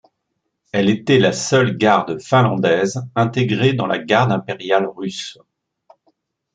Elle était la seule Garde finlandaise intégrée dans la Garde impériale Russe.